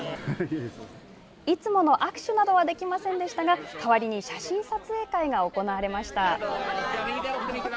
いつもの握手などはできませんでしたがかわりに写真撮影会が行われました。